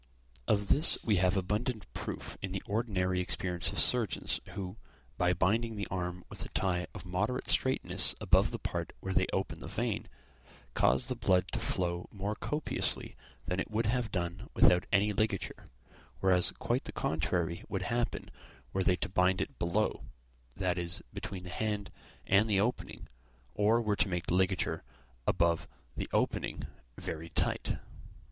Of this we have abundant proof in the ordinary experience of surgeons, who, by binding the arm with a tie of moderate straitness above the part where they open the vein, cause the blood to flow more copiously than it would have done without any ligature; whereas quite the contrary would happen were they to bind it below; that is, between the hand and the opening, or were to make the ligature above the opening very tight.